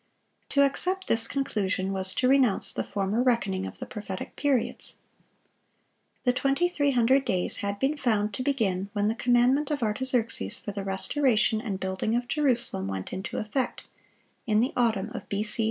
To accept this conclusion was to renounce the former reckoning of the prophetic periods. The 2300 days had been found to begin when the commandment of Artaxerxes for the restoration and building of Jerusalem, went into effect, in the autumn of B.C.